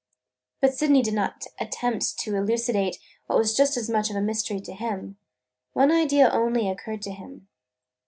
But Sydney did not attempt to elucidate what was just as much of a mystery to him. One idea only occurred to him.